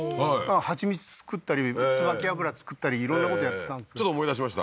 蜂蜜作ったりつばき油作ったり色んなことやってたんですけどちょっと思い出しました？